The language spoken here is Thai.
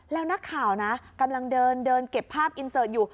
แล้วนักข่าวนะกำลังเดินเดินเก็บภาพอินเสิร์ตอยู่